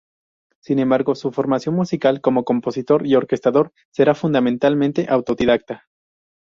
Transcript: Sin embargo, su formación musical como compositor y orquestador, será fundamentalmente autodidacta.